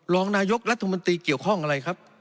รองนายกรัฐมนตรีเกี่ยวข้องอะไรครับ